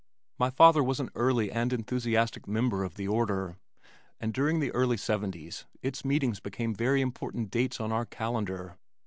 My father was an early and enthusiastic member of the order, and during the early seventies its meetings became very important dates on our calendar.